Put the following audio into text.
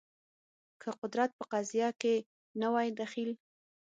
که قدرت په قضیه کې نه وای دخیل